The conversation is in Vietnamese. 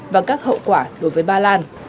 và gây gắt hậu quả đối với ba lan